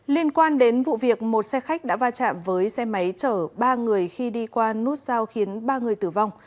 liên quan đến vụ việc một xe khách đã va chạm với xe máy chở ba người khi đi qua nút sao khiến ba người tử vong